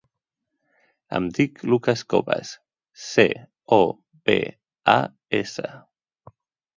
Em dic Lucas Cobas: ce, o, be, a, essa.